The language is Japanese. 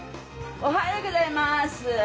おはようございます。